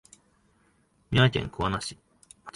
三重県桑名市